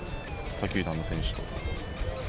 他球団の選手と。